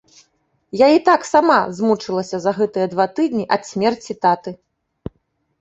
Я і так сама змучылася за гэтыя два тыдні ад смерці таты.